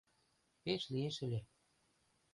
Пеш лиеш ыле.